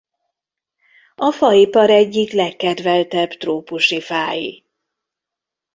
A faipar egyik legkedveltebb trópusi fái.